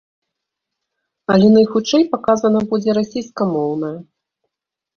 Але, найхутчэй, паказана будзе расейскамоўная.